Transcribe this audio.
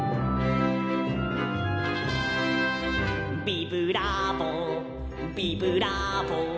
「ビブラーボビブラーボ」